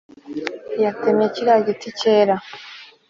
yatemye kiriya giti cyera